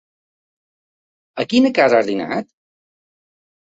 A quina casa has dinat?